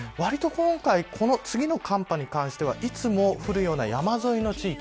今回次の寒波に関してはいつも降るような山沿いの地域